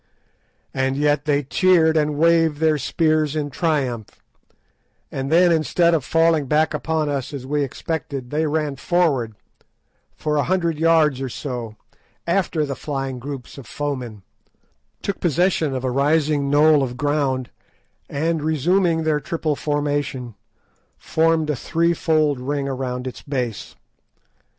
And yet they cheered and waved their spears in triumph, and then, instead of falling back upon us as we expected, they ran forward, for a hundred yards or so, after the flying groups of foemen, took possession of a rising knoll of ground, and, resuming their triple formation, formed a threefold ring around its base.